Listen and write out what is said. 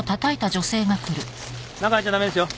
中入っちゃ駄目ですよ。